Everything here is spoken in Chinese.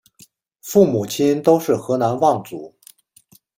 父母亲都是河南望族。